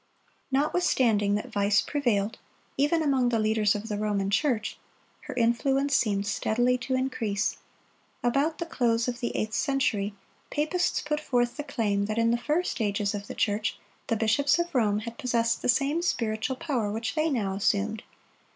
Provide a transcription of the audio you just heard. Notwithstanding that vice prevailed, even among the leaders of the Roman Church, her influence seemed steadily to increase. About the close of the eighth century, papists put forth the claim that in the first ages of the church the bishops of Rome had possessed the same spiritual power which they now assumed.